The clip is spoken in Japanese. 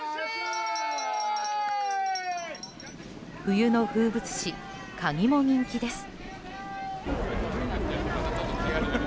冬の風物詩カニも人気です。